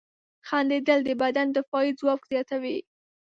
• خندېدل د بدن دفاعي ځواک زیاتوي.